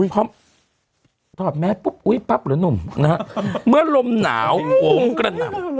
ถอดแมสปุ๊บอุ๊ยปั๊บหรือหนุ่มนะฮะเมื่อลมหนาวโหมกระหน่ำ